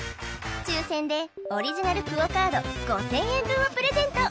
抽選でオリジナルＱＵＯカード５０００円分をプレゼント